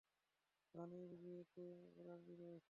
বানির বিয়েতে অ্যালার্জি রয়েছে।